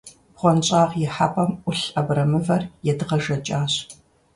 БгъуэнщӀагъ ихьэпӀэм Ӏулъ абрэмывэр едгъэжэкӏащ.